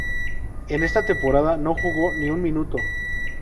En esta temporada no jugó ni un minuto.